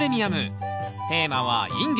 テーマは「インゲン」。